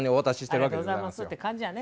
「ありがとうございます」って感じやね。